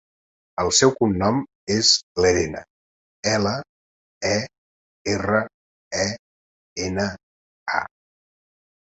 El seu cognom és Lerena: ela, e, erra, e, ena, a.